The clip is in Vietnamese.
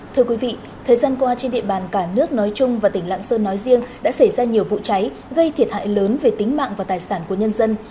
thưa quý vị thời gian qua trên địa bàn cả nước nói chung và tỉnh lạng sơn nói riêng đã xảy ra nhiều vụ cháy gây thiệt hại lớn về tính mạng và tài sản của nhân dân